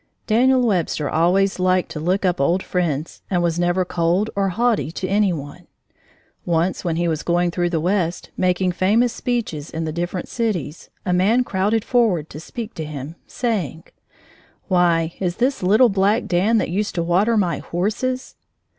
Daniel Webster always liked to look up old friends and was never cold or haughty to any one. Once when he was going through the West, making famous speeches in the different cities, a man crowded forward to speak to him, saying: "Why, is this little black Dan that used to water my horses?"